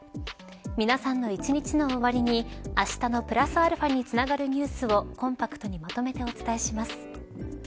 皆さんの一日の終わりにあしたのプラスαにつながるニュースをコンパクトにまとめてお伝えします。